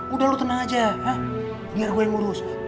udah lo tenang aja biar gue yang ngurus